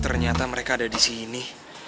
ternyata mereka ada di sini